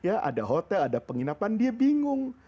ada hotel ada penginapan dia bingung